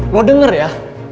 lo denger ya